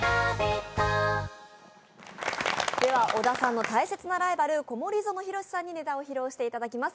では小田さんの大切なライバル、小森園さんにネタを披露していただきます。